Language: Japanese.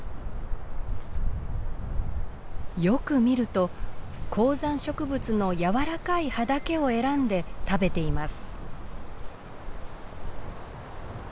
よく見ると高山植物の柔らかい葉だけを選んで食べています。